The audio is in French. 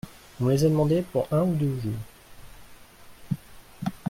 On me les a demandées pour un ou deux jours.